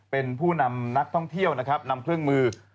เป็นผู้นำนักท่องเที่ยวนะครับนำเครื่องมือ